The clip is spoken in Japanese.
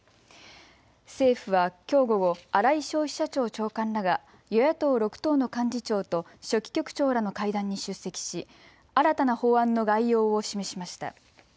政府はきょう午後、新井消費者庁長官らが与野党６党の幹事長と書記局長らの会談に出席し新たな法案の概要を示しました。